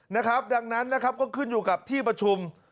นะครับดังนั้นนะครับก็ขึ้นอยู่กับที่ประชุม